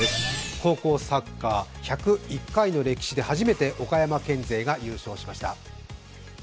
高校サッカー、１０１回の歴史で初めて岡山県勢が優勝しました。